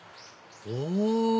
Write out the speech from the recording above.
お！